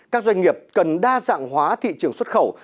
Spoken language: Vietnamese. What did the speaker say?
các doanh nghiệp cần đa dạng hóa thị trường xuất khẩu